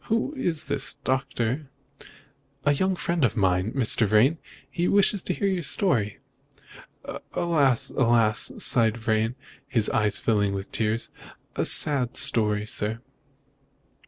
"Who is this, Doctor?" "A young friend of mine, Mr. Vrain. He wishes to hear your story." "Alas! alas!" sighed Vrain, his eyes filling with tears, "a sad story, sir."